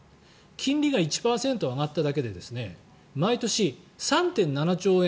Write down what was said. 金利が１％上がっただけで毎年、３．７兆円